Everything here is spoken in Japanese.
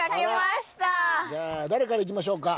じゃあ誰からいきましょうか。